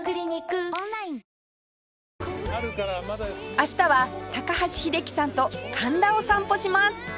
明日は高橋英樹さんと神田を散歩します